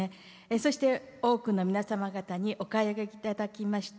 そして多くの皆様方にお買い上げいただきました